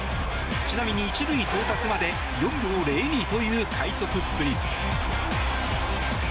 ちなみに１塁到達まで４秒０２という快足っぷり。